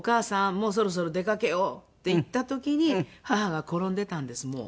もうそろそろ出かけようって言った時に母が転んでたんですもう。